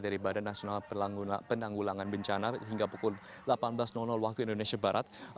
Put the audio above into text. dari badan nasional penanggulangan bencana hingga pukul delapan belas waktu indonesia barat